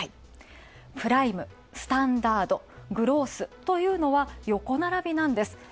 プライム、スタンダード、グロースというのは横並びなんです。